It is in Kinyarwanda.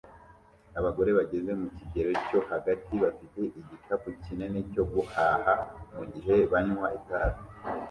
Abagore bageze mu kigero cyo hagati bafite igikapu kinini cyo guhaha mu gihe banywa itabi